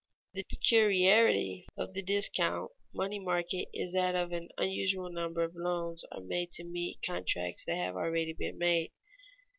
The peculiarity of the discount money market is that an unusual number of loans are made to meet contracts that have already been made.